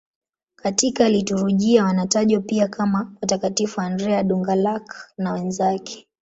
Katika liturujia wanatajwa pia kama Watakatifu Andrea Dũng-Lạc na wenzake.